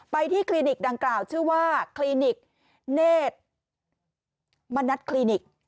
ที่คลินิกดังกล่าวชื่อว่าคลินิกเนธมณัฐคลินิก